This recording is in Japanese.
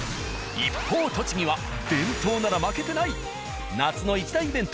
一方栃木は伝統なら負けてない。